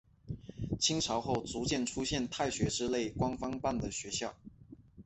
清朝后逐渐出现太学之类官方办的学校。